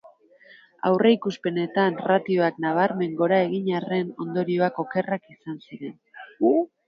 Aurreikuspenetan ratioak nabarmen gora egin arren ondorioak okerrak ziren.